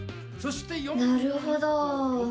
なるほど！